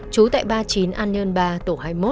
trú tại ba mươi chín an nhơn ba tổ hai mươi một